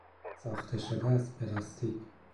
ساخته شده از پلاستیک